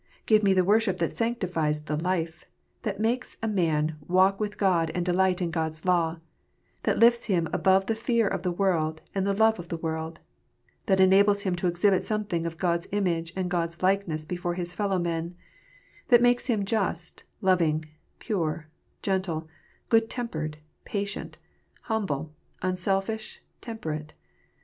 Give me the worship that sanctifies the life, that makes a man walk with God and delight in God s law, that lifts him above the fear of the world and the love of the world, that enables him to exhibit something of God s image and God s likeness before his fellow men, that makes him just, loving, pure, gentle, good tempered, patient, humble, unselfish, temperate.